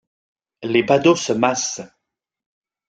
Les badauds se massent.